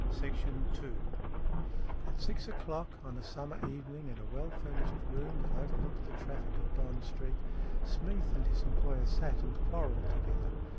SMEATH 19 IV AT six o'clock on a summer evening, in a well furnished room that overlooked the traffic of Bond Street, Smeath and his employer sat and quarrelled together.